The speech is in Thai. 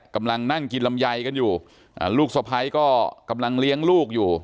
กำลังนั่งกินลำไยกันอยู่ลูกสะพ้ายก็กำลังเลี้ยงลูกอยู่